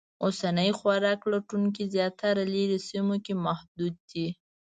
اوسني خوراک لټونکي زیاتره لرې سیمو کې محدود دي.